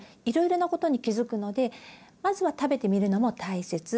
いろいろなことに気付くのでまずは食べてみるのも大切。